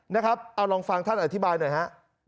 นะครับเอาลองฟังท่านอธิบายหน่อยฮะ